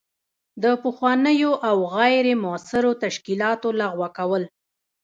د پخوانیو او غیر مؤثرو تشکیلاتو لغوه کول.